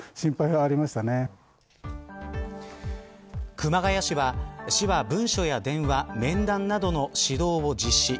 熊谷市は市は文書や電話、面談などの指導を実施。